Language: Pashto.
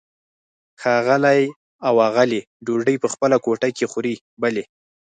ښاغلی او آغلې ډوډۍ په خپله کوټه کې خوري؟ بلې.